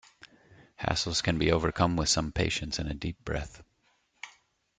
Hassles can be overcome with some patience and a deep breath.